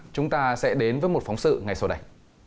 chúng ta sẽ đến với một phóng sự ngay sau đây